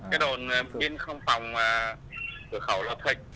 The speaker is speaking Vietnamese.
cái đồn biên không phòng cửa khẩu lộc thịch